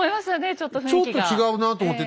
ちょっと違うなと思って。